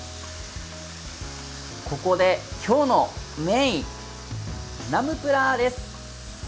ここで今日のメインナムプラーです。